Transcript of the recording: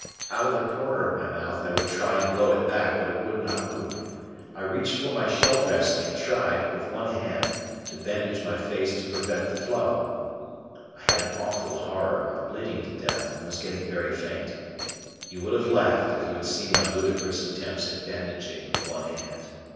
Out of the corner of my mouth I would try and blow it back but it would not move. I reached for my shell dressing and tried, with one hand, to bandage my face to prevent the flow. I had an awful horror of bleeding to death and was getting very faint. You would have laughed if you had seen my ludicrous attempts at bandaging with one hand.